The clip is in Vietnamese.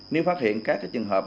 nếu phát hiện các trường hợp